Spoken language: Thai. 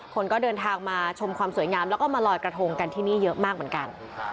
คนก็เดินทางมาชมความสวยงามแล้วก็มาลอยกระทงกันที่นี่เยอะมากเหมือนกัน